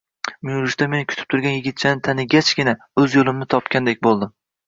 Muyulishda meni kutib turgan yigitni tanigachgina, o`z yo`limni topgandek bo`ldim